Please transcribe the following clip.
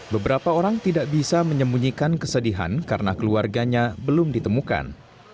beberapa orang tidak bisa menyembunyikan kesedihan karena keluarganya belum ditemukan